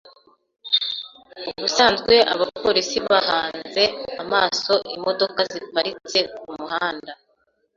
Ubusanzwe abapolisi bahanze amaso imodoka ziparitse kumuhanda.